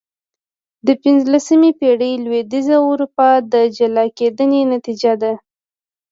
د پنځلسمې پېړۍ لوېدیځه اروپا د جلا کېدنې نتیجه ده.